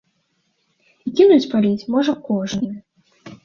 І кінуць паліць можа кожны.